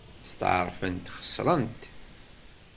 Steɛṛfent xeṣrent.